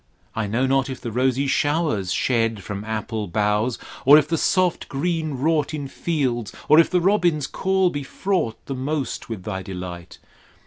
I know not if the rosy showers shed From apple boughs, or if the soft green wrought In fields, or if the robin's call be fraught The most with thy delight.